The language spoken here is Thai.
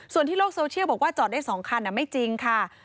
ส่วนที่โลกโซเชียลบอกว่าจอดได้๒คันไม่จริงค่ะ